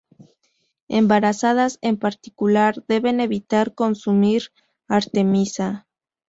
Embarazadas, en particular, deben evitar consumir artemisa.